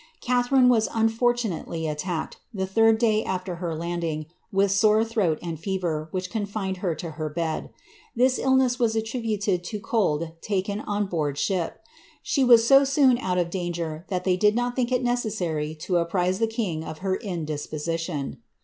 Catharine was unfortunately attacked, the third day after her landing, with sore throat and fever, which confined her to her bed. This illness was attri buted to cold taken on board ship. She was so soon out of danger that they did not think it necessary to apprize the king of her indispositjoo.